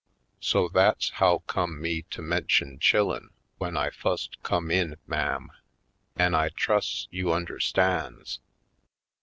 So that's how come me to mention chillen w'en I fust come in, ma'am. An' I trusts you understan's?"